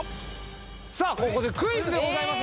さあここでクイズでございます